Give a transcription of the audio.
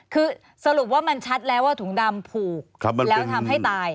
คือสรุปว่ามันชัดแล้วว่าถุงดำผูกแล้วทำให้ตาย